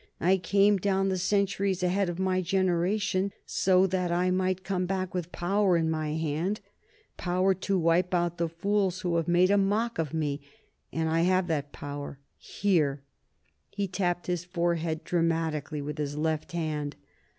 I came down the centuries ahead of my generation so that I might come back with power in my hand; power to wipe out the fools who have made a mock of me. And I have that power here!" He tapped his forehead dramatically with his left hand.